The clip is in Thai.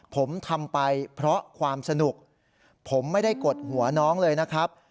ผมทำไปเพราะความสนุกผมไม่ได้กดหัวน้องเลยนะครับ